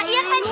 iya kan jules